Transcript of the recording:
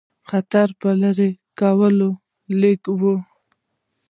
خطر په لیري کولو لګیا وو.